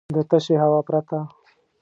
د تشې هوا پرته .